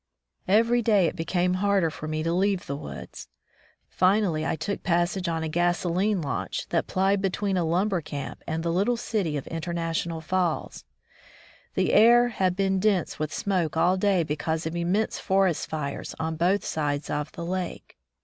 Every day it became harder fpr me to leave the woods. Finally I took passage on a gasoline launch that plied between a lumber camp and the little city of International 178 » 'I'^ tlU U Back to the Woods Falls. The air had been dense with smoke all day because of immense forest fires on both sides of the lake.